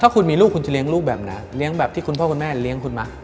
คุณมีลูกคุณจะเลี้ยงลูกแบบไหนเลี้ยงแบบที่คุณพ่อคุณแม่เลี้ยงคุณไหม